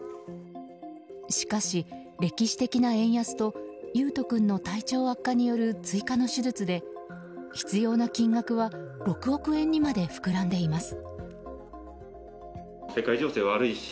しかし、歴史的な円安と維斗君の体調悪化による追加の手術で、必要な金額は６億円にまで膨らんでいます。